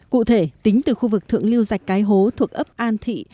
cụ thể tính từ khu vực thượng lưu dạch cái hố thuộc ấp an thị